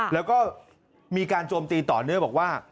แล้วก็มีการโจมตีต่อเนื่องบอกว่า